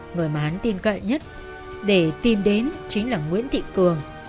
người mà hắn tin cậy nhất để tìm đến chính là nguyễn thị cường